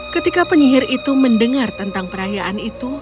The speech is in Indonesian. ketika penyihir itu mendengar tentang perayaan itu